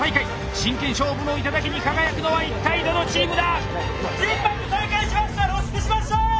真剣勝負の頂に輝くのは一体どのチームだ⁉